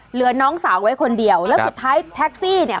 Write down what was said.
น้องสาวไว้คนเดียวแล้วสุดท้ายแท็กซี่เนี่ย